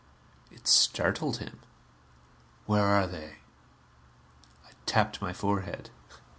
It startled him. "Where are they?" I tapped my forehead.